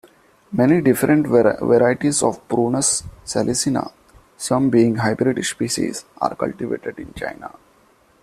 Many different varieties of "Prunus salicina", some being hybrid species, are cultivated in China.